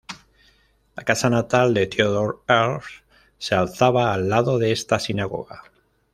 La casa natal de Theodor Herzl se alzaba al lado de esta sinagoga.